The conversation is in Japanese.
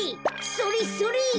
それそれ！